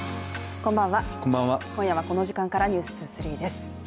こんばんは、今夜はこの時間から「ｎｅｗｓ２３」です。